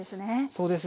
そうです。